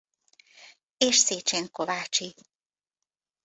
És Szécsén Kovácsi.